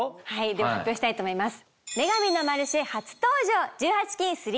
では発表したいと思います。